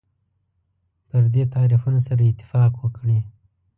پر دې تعریفونو سره اتفاق وکړي.